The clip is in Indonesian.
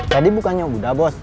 tadi bukannya udah bos